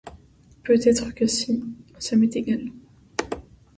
Peut-être que si... Ça m'est égal.